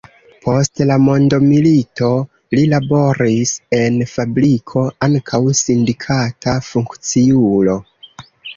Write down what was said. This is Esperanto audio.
Post la mondomilito li laboris en fabriko, ankaŭ sindikata funkciulo.